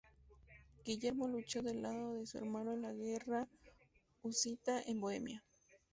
Guillermo luchó del lado de su hermano en la guerra husita en Bohemia.